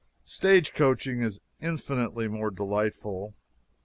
Stagecoaching is infinitely more delightful.